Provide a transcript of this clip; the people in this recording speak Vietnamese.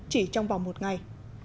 chỉ trong vòng một ngày